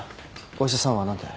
お医者さんは何て？